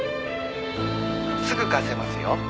「すぐ貸せますよ。